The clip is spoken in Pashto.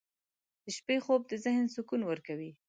• د شپې خوب د ذهن سکون ورکوي.